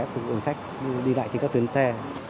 phục vụ khách đi lại trên các tuyến xe